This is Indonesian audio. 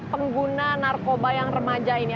pengguna narkoba yang remaja ini